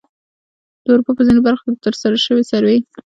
د اروپا په ځینو برخو کې د ترسره شوې سروې